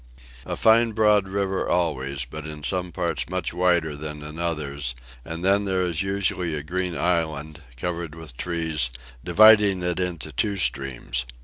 A fine broad river always, but in some parts much wider than in others: and then there is usually a green island, covered with trees, dividing it into two streams.